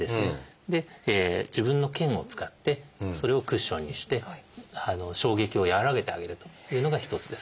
自分の腱を使ってそれをクッションにして衝撃を和らげてあげるというのが一つです。